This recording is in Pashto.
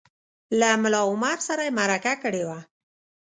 له ملا عمر سره یې مرکه کړې وه